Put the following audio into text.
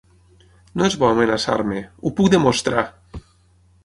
No és bo amenaçar-me. Ho puc demostrar!